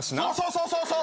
そうそうそう。